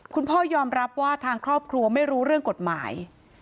คุณพ่อยอมรับว่าทางครอบครัวไม่รู้เรื่องกฎหมาย